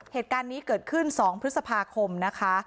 เหตุการณ์นี้เกิดขึ้น๒พฤษภาคมนะคะ